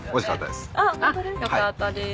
よかったです。